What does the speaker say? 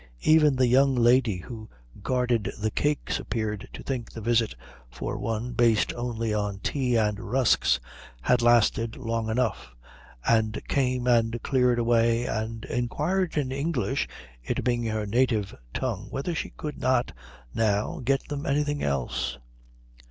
Even the young lady who guarded the cakes appeared to think the visit for one based only on tea and rusks had lasted long enough, and came and cleared away and inquired in English, it being her native tongue, whether she could not, now, get them anything else.